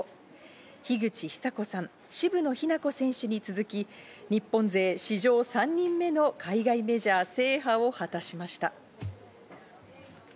樋口久子さん、渋野日向子選手に続き、日本勢史上３人目の海外メジャー制覇を果たしました。